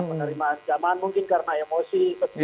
menerima ancaman mungkin karena emosi